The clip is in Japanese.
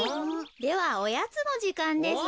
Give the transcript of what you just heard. ではおやつのじかんです。